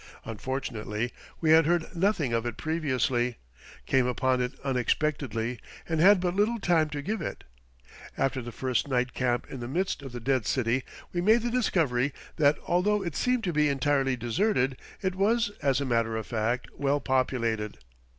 Unfortunately, we had heard nothing of it previously, came upon it unexpectedly, and had but little time to give it. After the first night camp in the midst of the dead city we made the discovery that although it seemed to be entirely deserted, it was, as a matter of fact, well populated!